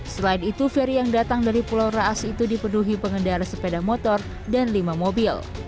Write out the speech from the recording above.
selain itu ferry yang datang dari pulau raas itu dipenuhi pengendara sepeda motor dan lima mobil